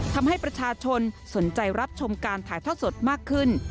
ทำให้ประชาชนสนใจรับชมการถ่ายทอดสดมากขึ้น